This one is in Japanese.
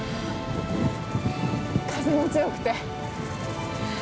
風も強くて。